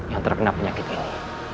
yang terkena penyakit ini